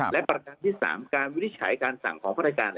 และประการที่๓การวินิจฉัยการสั่งของพระราชการ